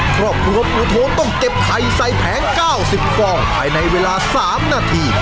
ครอบครัวปู่โทนต้องเก็บไข่ใส่แผง๙๐ฟองภายในเวลา๓นาที